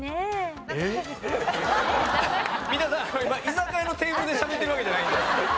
今居酒屋のテーブルでしゃべってるわけじゃないんで。